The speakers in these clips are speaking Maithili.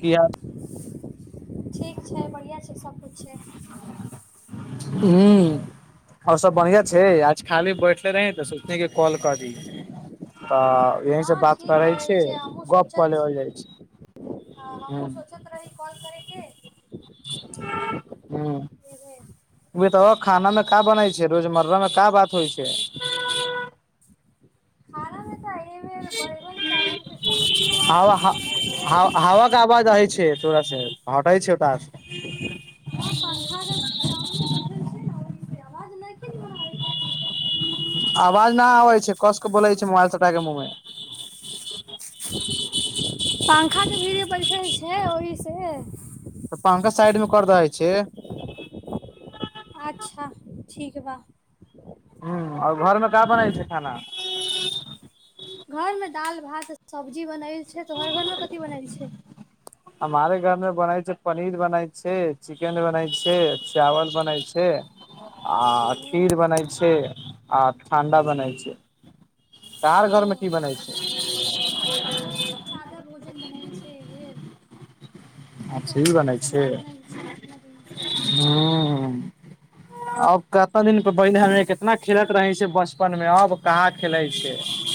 किया। ठीक छै बढ़िआँ छै सभकिछु छै। हूं। आओर सब बढ़िया छै आज खाली बैठले रही तऽ सोचली कॉल करी। तऽ यहीसँ हँ बात ठीक करै कहै छी गप्प कऽ लेल जाइत छै। हँ हूँ हमहु सोचैत रही कॉल करयके। हूं। एहिबेर इ बताउ खाना में क बनाै छै रोजमर्रा में का बात होइ छै। [unintelligible] खानामे तऽ एहि बेर बैगन चावलके सब्जी भात हवा ह बनल ह छै। हवा आवाज रहइ छै तोड़ा से हटै छै त। [unintelligible] ह पंखा के सामने बैठल छीए न ओहि से आवाज लेकीन बनाबे। आवाज नहि आबै छै कस के बोलै छै मोबाइल सटा के मुँहमे। पंखा तऽ भीड़े बैठल छै ओहि से। तऽ पंखा साइड मे कर दइ छै। अच्छा ठीक हे बा। हूं आओर घरमे का बनल छै खाना। घर मे दालि भात सब्जी बनल छै तोहर घर मे कथी बनल छै। हमारे घर मे बनल छै पनीर बनल छै चिकेन बनल छै चावल बनै छै। आ ओ खीर ओ बनै छै आ ठण्डा बनै छै। तोहार ओ घर मे की बनै छै हमर घरमे सादा भोजन बनल छै एहि बेेर। मीट खीर मछली बनै एसा ना बनल छै कातरा दिन से। हम्म अब कते दिन प बहिन हमें के कितना खेलैत रहि से बचपन मे अब कहाँ खेलय छय।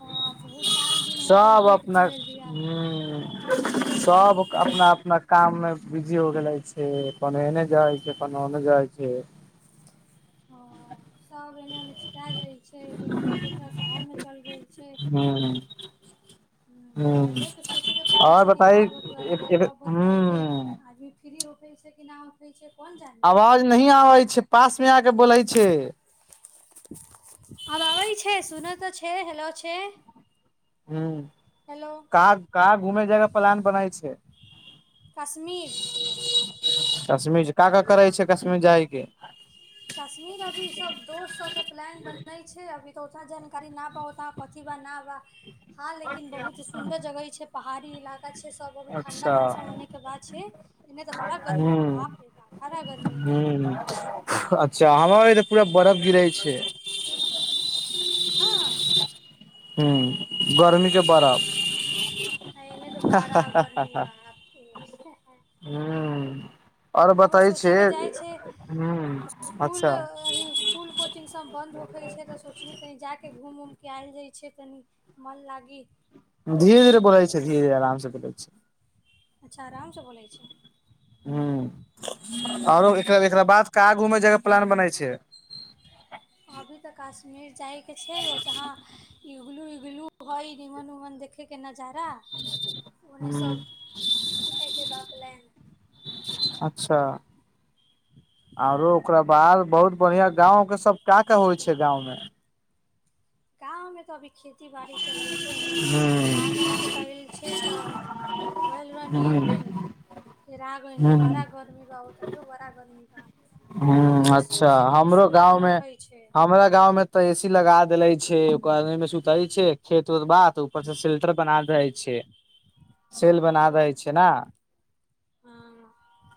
हँ बहुत साल दिन हो गइल सब भेंट अपना करें दिया। हूं [inaudible] सब अपना-अपना काम मे बिजी हो गेलय छै, खन ऐने जाइ छै, खन ओने जाइ छै। हँ सब एने-ओने छिंटा गेइल छै, दोसरा-दोसरा शहर में चल गेइल छै। हम्म हम्म बतुआयले के सोचय के पड़ै आओर छै कि, बताइ का बतुआयल जाय, कब बतुआयल जाय, ह आदमी फ्री होखै छै कि ना होखै छै। कोन जाने आवाज नहि आबै छै, पास मे आके बोलै छय। आब आबै छय, सुन त छय, हैेलो छै। हम्म हेलो का-कहां घूमे जायके प्लान बनय छै। काश्मीर। कश्मीर ज का-का करै छै कश्मीर जाय के कश्मीर अभी सब दोस्त सब के प्लान बनै छै, अभी तऽ ओतना जानकारी ना पावो ता कथी बा न बा, हँ लेकिन बहुत सुन्दर जगहि छै पहाड़ी इला का छै सब अभी ठंडा अच्छा मौसम होने के बात छै, एने त बड़ा गर्मी बाप रे बा बड़ा गर्मी। एने हम्म अच्छा हमर ऐ ज पूरा बर्फ गिरै छै। हँ हम्म गर्मी के बरफ। आ एने तऽ बड़ा गर्मी रहऽ ते छै। हम्म आओर बताइ छे, सोचैके जाइ छै हम्म स्कूल अच्छा अभी स्कुल, कोचिंग सब बन्द होखै छै, त सोचली तनि जाके घुम-उमिक आयल जाइ छै तनि मन लागी। धीरे-धीेरे बोलै छै, धीरे-धीरे आरामसँ बोलै छै। अच्छा आरामसँ बोलै छै। हम्म आरो एकरा-एकरा बाद कहां घूमे जाए के प्लान बनै छै। [inaudible] अभी ते कश्मीर जाय के छै, ओंतहा इगलू-विगलू हय रिहन-उहन देख खै के नजारा। [inaudible] ओने सब जाय के बा प्लानि। अच्छा आरो हँ ओकरा बाद बहुत बढ़िया गाँव के सब का- का होइ छै गाँंव मे गाँव मे तऽ अभी खेती बाड़ी चलै छै एने धान -उन कुटाएल छै तऽ गइल रहनी एक ह दिन फिर आग गएनी, ह बड़ा गर्मी बा ओतहियो बड़ा गर्मी बा। ओतहाँ तऽ हम्म ए सी अच्छा उसी के भी हमरो सुविधा गांव मे, नखै छै हमरा गाँंव में तऽ ए सी लगा देल‌ई छै। गमी मे सुतै छै, खेत उत बा त ऊपर से सेल्टर बनाल रहै छै। सेल बना दै छै ना। हां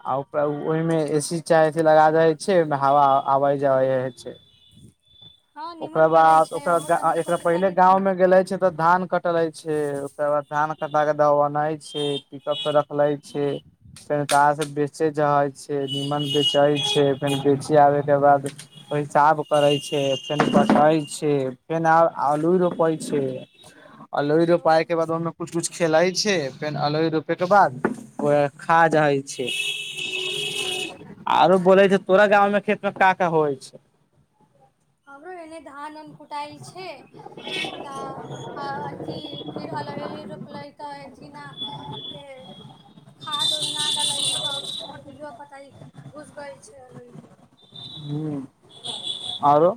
आ ओकरा उ ओहिमे ए सी चाहे छै लगा दय छै, आय में हवा आबै जबै रहय छै। [inaudible] ओकर कयले बाद छै ओकर हमहूँ गा- तनि ए-एकरा पहिले सोचतनी गाँंव तनी मे गेलै छै। त धान कटलय छै। ओकर बाद धान कटा केे दबनाय छै। पिकप स रखलाय छय। फेंन कार स बेचे जाय छै। फेर निमन बेचाय छै। फेर बेच आबै के बाद पेइशाब करै छै। फेन कटाय ओ छै, फेन आ- आलू ओ रोपै छै। अलु रोपाय ओ के बाद ओयमे कुछ कुछ खेलाइ छै। फेर अलोइ रोपे के बाद उहैऽ खा जाहै छै। अच्छा आरो बोलै के तोरा गाँं मे खेत मे का का होइ छै? हमरो एने धान- वान कुटाइ छै। तऽ अ- अथी फिर अलहेली रोपलै तऽ अथि न खाद उद ना डलै सब पिलो पतय घुस गइल छै ओयमे। हुं। हँ आरो?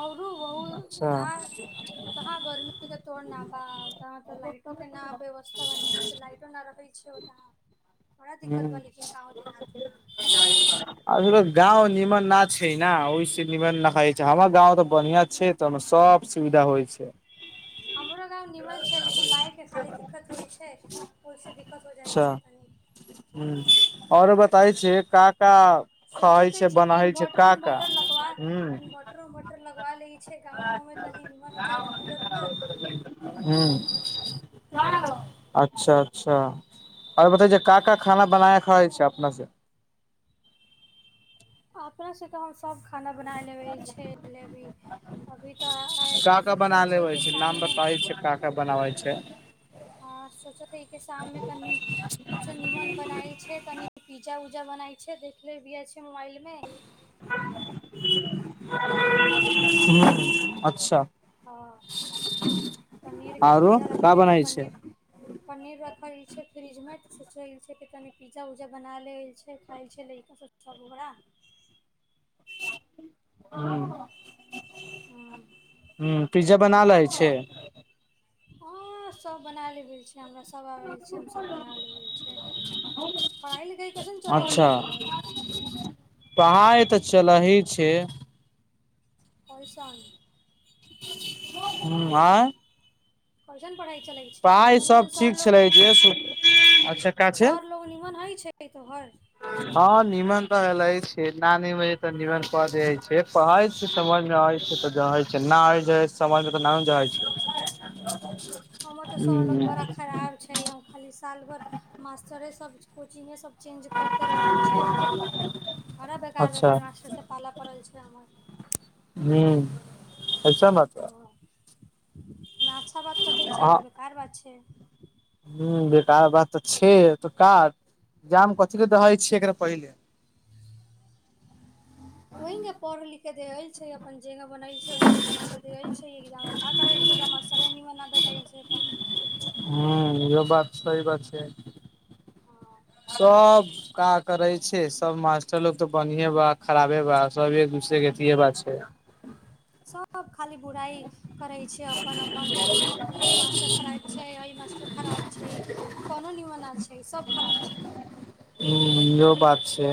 औरो अच्छा बहु--ओतहा [unintelligible] [inaudible] [inaudible] बड़ा दिक्कत ह बा -लेकिन कहाँ दिन हाथ में अ त लोक गाँंव निमन ना छै ने ओहिस निमन नहाय छै। हमर गाँंव तऽ बढ़ियां छै। तमें सबऽसुविधा होइ छै। हमरो गाँव निमन छै लेकिन लाइट के खाली दिक्कत होइ छै। ओइसँ दिककत होय् छै। अच्छा। तनी हँ हं- औरो बताय छी का -का खाइ सोचैत छै अइछि कि बनाै छै इन्वर्टर का का -उन्वर्टर लगवा ह इन्वर्टर उन्वर्टर लगवा लेइ छै गाँंवो में तनी निमन हो जाइत कूलर -उलर हुं। हँ। अच्छा -अच्छा, और बतेयो जे का -का खाना बनाया खाइ छै अपना स? अपनासँ तऽ हम सभ खाना बनाय लेबै। छैल लेबय। अभी तऽ का अथी का बना सोचल लेबै कि छै? नाम शाममे बताइ छै का -का बनाबै छै। हँ सोचैत छैै कि शाममे तनी कुछो निमन बनाय छै, कनि पिज्जा उजा बनाय छै, देखले भी छै, मोबाइल में। हुं। अच्छा। हँ। पनीर के आरो पिज्जा का रखै ह बनाय छै पनीर पनीर रखल छै फ्रिज में। सोच छै कनी पिज्जा उजा बना लै छै खाय छै लइका सब। [unintelligible] [unintelligible] हँ। हं, पिज्जा बना लै छै? हंऽ सब बना लेबय छै हमरा सब। सब आबै छ हम सभ बना लेबै छै। [unintelligible] पढ़ाइ- लिखाइ कैसन चलै छै? शहर ढ़ाई तऽ चलही छै। कइसन? हं- आँय? कइसन पढ़ाइ चलइ पाई सब ठीक छलै छे [unintelligible] अच्छ का छै। सर लोग निमन हइ छै तोहर। हँ निमन तऽ हलछै नानी मे तऽ निमन क दैइ छै। पढ़ै छै समझ मे आबै छै तऽ जाै छै ना आ छै समझ मे तऽ ना जाय छै। ह हमर तऽ सर लोक बड़ा खराब छै हम खाली सालभरि मास्टरे सब कोचिंगे सब चेंज करते रहल छै हम बड़ा बेकार अच्छा बेकार मास्टर सब पाला पड़ल छै हमर। हुं अइसा बात बा। ना अच्छा बात कते छै बेकार बात छै। हु बेकार बात तऽ छै त का जाम कथी दहैय छिय एकरा पहिले। ओहि मे पढ़ लिख दे अइछ। अपन जेना बनल छै ओही मे बना के दैल छै एग्जाम का करल छै [unintelligible] ना भेटत कैल छै तऽ। हुं इहो बात सही बात छै, हँ सब काज करै छै सब मास्टर लोग तऽ बढ़िये बा खराबे बा सब एक दूसरे के अथिये बा छै। सब खाली बुराइ करै छै अपन अपन की ओहु मासक खराब छै एहि मासट खराब छै कोनो निमन ना छै सब खराब छै। हु इहो बात छै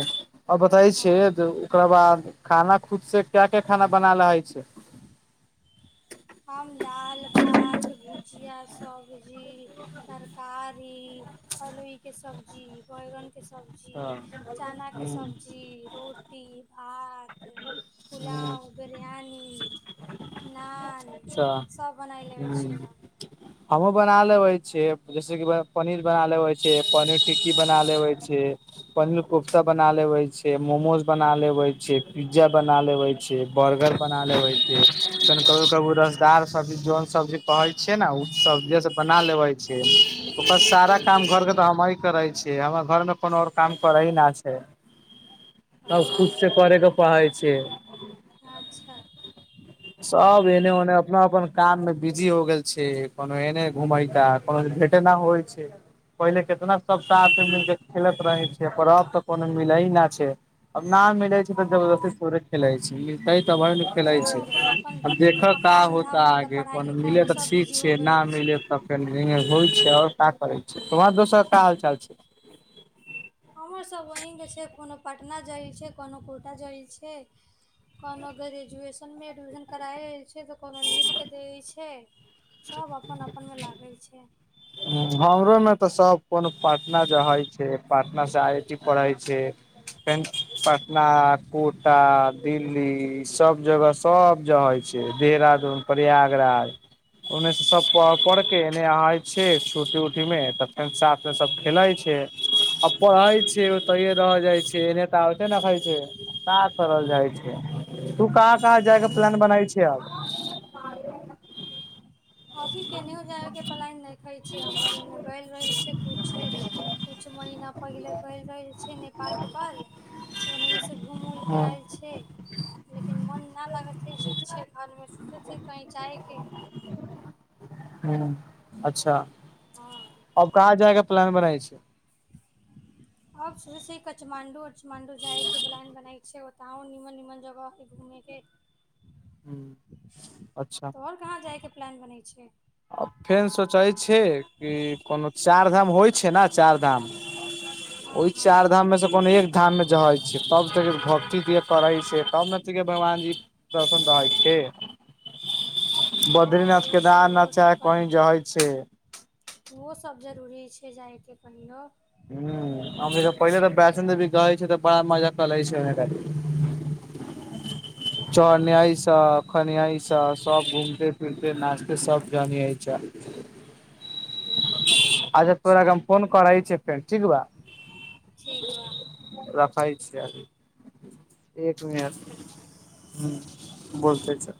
आ बताय छे हँ ओकरा बाद खाना खुद से क्या क्या खाना बनाला होय छे। ह हम दालि, भात, भुजिया सब्जी, तरकारी, हलुइके सब्जी, बैगनके सब्जी हँ जी चनाके ह सब्जी, रोटी, भात पुलाव, बिरयानी, नान सब बनाय लेबय छीये आब। हमहु बना लेबैय छियै जैसेक वै पनीर बना लेबइ छी पनीर टिक्की बना लेबैय छी। पनीर कोफ्ता बना लेवय छी मोमोज बना लेवय छी पिज्जा बना लेवय छी। बर्गर बना लेवय छी [unintelligible] रजदार सबजी जोन सब्जी कहैय छीये ने उ सब्जी से बना लेबय छी। [unintelligible] सारा काम घरके तऽ हमी करै छियै हमर घरमे कोनो आर काम करै ही ना छै। सब खुद से ओ करके परइ छै। अच्छा। सब एने ओने अपना अपन काम मे बिजी हो गेल छै कोनो एने घूमका कोनो भेटे ना होइ छै। पहिले कितना सबटा आथी मिलके खेलैत रहै छियै पर अब तऽ कोनो मिलै ही न छै। अब ना मिलैय छै तऽ ओ जबरदस्ती थोड़े खेलय छीये मिलतै त बड नीक सब अपन अपन काम होता धाममे तऽ आगे पढ़ाइ अपन मिले लिखाइमे तऽ सब ठीक बिजी हो छै न गेल छै। मिले फेर होइ छै और का करै छै [unintelligible] दोसर का हालचाल छै। हमरसभ ओहीके छै कोनो पटना जाय छै कोनो कोटा जाय छै। कोनो ग्रेजुएशन मे एडमिशन कराए छै तऽ कोनो नीट के दैय छै। सब अपन अपनमे लागैल छै। हमरोमे तऽ सभ कोनो पटना जहाय छै पटनासँ आई आइ टी पढ़ैय छै। पटना, कोटा, दिल्ली सब जगह सब जाहैय छै देहरादून, प्रयागराज ओन्ने से सब पढ़केने [unintelligible] छै छुटी उटी मे तऽ फेन साथ मे सब खेलाइ छै। आ पड़हइ छिये ओ तैय रह जाइ छियै एने तऽ आबते ने होइ छै। काऽ करल जाइ छै तू कहाँ कहाँ जायके हँ प्लान बनाइ छियै आब। अभी केनेयो जाय के पलायन नहि खै छै हमर एने गेल रही से कुछ कछु महिना पहिले गेइल रहै छै नेपाल वपाल ओनाहि स घूम उलके हँ ऐयेल छैय। लेकिन मोन ना लगतै छुच्छे घरमे सोचै छिय कहीँ जाइके। ह अच्छा। हँ। अब कहाँ जाएके प्लान बनाय छै। आब सोचै छिय काठमांडू उच्चमांडू जाय के प्लान बनाइछिय ओत ओर निमन निमन जगह है घूमे के। हूँ अच्छा तऽ ओर कहाँ जायके प्लान बनै छियै। आ फेन सोचै छियै कि कोनो चारि धाम होइ छै ने चारि धाम हँ ओहि हँ चार धाम मे से कोनो एक धाममे जहै छिय तब त भक्ति दि करै छै तब ने देख भगवान जी दर्शन तऽ हइके बदरीनाथ केदारनाथ चाहे कही जहै छै उहो सब जरूरी छै जाय के कहियो। हूॅं पहिले तऽ फैसन ले बिकाइ छै तऽ बड़ा मजा क लै छै खाली। चरऽ न्याय सँ खन्याय सँ सब घूमते फिरिते नाचिते सब गननियाइत चल। अच्छा तोरा के हम फोन करै छियौ फेर ठीक बात। ठीक बा रखै छिय अभी एक मिनट हूँ बोलते चल।